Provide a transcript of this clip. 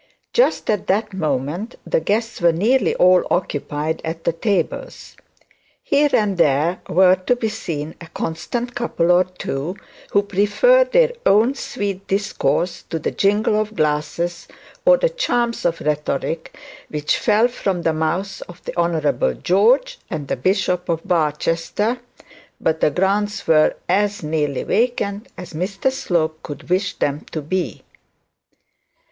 Just at that moment the guests were nearly all occupied at the tables. Here and there were to be seen a constant couple or two, who preferred their own sweet discourse to the jingle of glasses, or the charms of rhetoric which fell from the mouths of the Honourable George and the bishop of Barchester; but the grounds were as nearly vacant as Mr Slope could wish them to be.